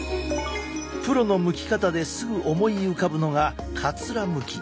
プロのむき方ですぐ思い浮かぶのがかつらむき。